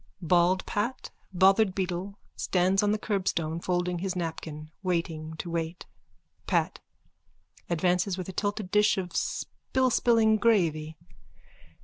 (Bald Pat, bothered beetle, stands on the curbstone, folding his napkin, waiting to wait.) PAT: _(Advances with a tilted dish of spillspilling gravy.)